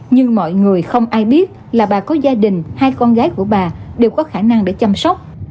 nhưng mọi người không ai biết là bà có gia đình hai con gái của bà đều có khả năng để chăm sóc